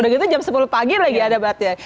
udah gitu jam sepuluh pagi lagi ada batnya